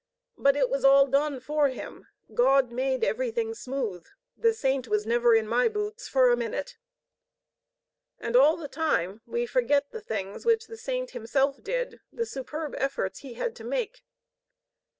But it was all done for him. God made everything smooth. The saint was never in my boots for a minute." And all the time we forget the things which the saint himself did, the superb efforts he had to make.